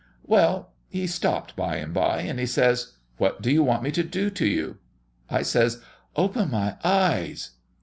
Well, He stopped by and by and He says, 'What do you want me to do to you?' I says, 'Open my eyes.'"